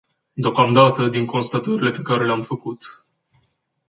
Deocamdată, din constatările pe care le-am făcut.